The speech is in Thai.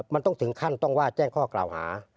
มันต้องถึงขั้นต้องว่าแจ้งข้อกล่าวหา